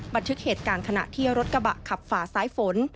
บันทึกเหตุการณ์ขณะที่รถกระบะขับฝ่าซ้ายฝน